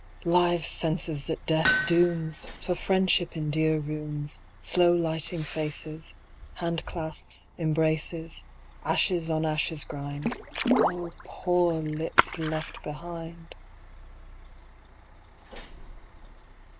Live senses that death dooms! For friendship in dear rooms, Slow lighting faces, Hand clasps, embraces, Ashes on ashes grind:Oh, poor lips left behind!